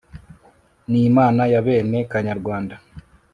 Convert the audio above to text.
n'imana yabene kanyarwanda